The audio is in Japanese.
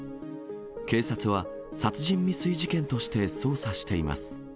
警察は、殺人未遂事件として捜査しています。